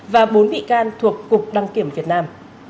và bốn bị can thuộc cục đăng kiểm việt nam